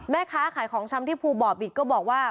แม่ค้าขายของชำที่ภูบ่อบิตก็บอกว่า